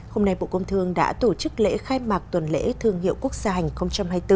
hôm nay bộ công thương đã tổ chức lễ khai mạc tuần lễ thương hiệu quốc gia hành hai mươi bốn